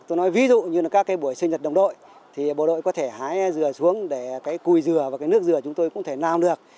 tôi nói ví dụ như là các cái buổi sinh nhật đồng đội thì bộ đội có thể hái dừa xuống để cái cùi dừa và cái nước dừa chúng tôi cũng thể nào được